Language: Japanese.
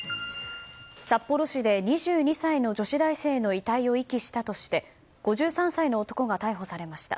札幌市で２２歳の女子大生の遺体を遺棄したとして５３歳の男が逮捕されました。